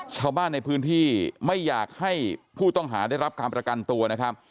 ชาวบ้านในพื้นที่ไม่อยากให้ผู้ต้องหาได้รับการประกันตัวนะครับ